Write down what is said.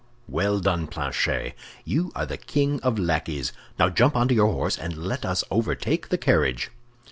"Well done, Planchet! you are the king of lackeys. Now jump onto your horse, and let us overtake the carriage."